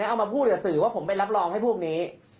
เอามาพูดกับสื่อว่าผมไปรับรองให้พวกนี้